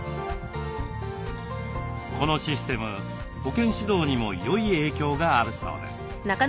このシステム保健指導にもよい影響があるそうです。